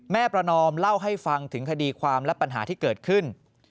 ประนอมเล่าให้ฟังถึงคดีความและปัญหาที่เกิดขึ้น